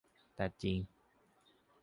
แต่จริง